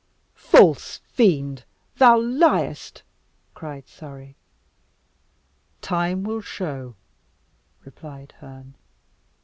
"False fiend, thou liest!" cried Surrey. "Time will show," replied Herne.